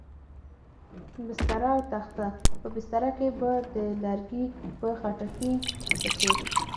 بستره او تخته، په بستره کې به د لرګي په خټکي په څېر.